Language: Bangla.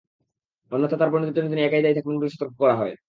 অন্যথায় তার পরিণতির জন্য তিনি একাই দায়ী থাকবেন বলে সতর্ক করা হয়।